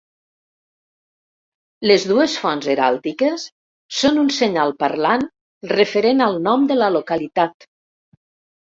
Les dues fonts heràldiques són un senyal parlant referent al nom de la localitat.